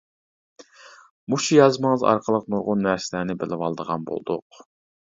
مۇشۇ يازمىڭىز ئارقىلىق نۇرغۇن نەرسىلەرنى بىلىۋالىدىغان بولدۇق.